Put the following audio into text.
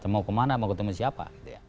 mau kemana mau ketemu siapa